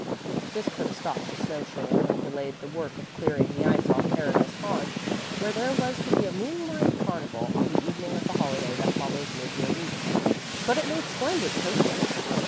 This put a stop to snow shoeing and delayed the work of clearing the ice off Paradise pond, where there was to be a moonlight carnival on the evening of the holiday that follows mid year week. But it made splendid coasting.